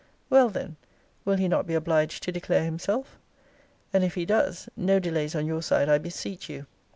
Well then, will he not be obliged to declare himself? And if he does, no delays on your side, I beseech you.